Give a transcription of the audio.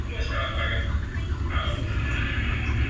La playa tiene un camping muy próximo y una desembocadura fluvial.